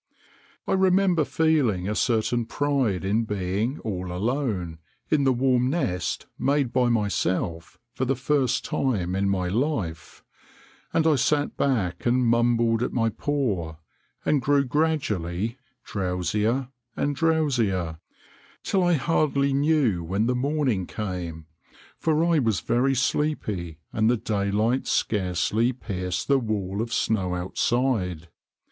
I remember feeling a certain pride in being all alone, in the warm nest made by myself, for the first time in my life; and I sat back and mumbled at my paw, and grew gradually drowsier and drowsier, till I hardly knew when the morning came, for I was very sleepy and the daylight scarcely pierced the wall of snow outside.